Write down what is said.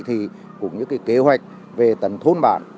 thì cũng như kế hoạch về tầng thôn bản